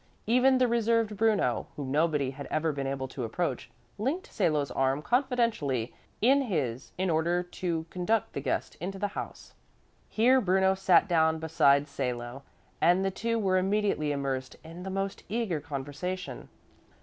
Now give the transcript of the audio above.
Even the reserved Bruno, whom nobody had ever been able to approach, linked Salo's arm confidentially in his in order to conduct the guest into the house. Here Bruno sat down beside Salo and the two were immediately immersed in the most eager conversation.